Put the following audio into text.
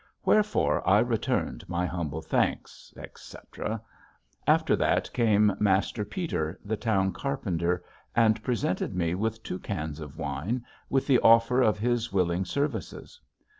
Wherefore I returned my humble thanks etc. After that came Master Peeter, the town carpenter, and presented me with two cans of wine, with the offer of his willing services.